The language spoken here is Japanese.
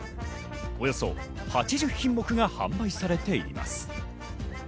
およそ８０品目が販売されています。